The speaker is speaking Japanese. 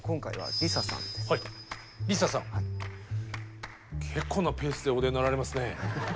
ＬｉＳＡさん結構なペースでお出になられますね。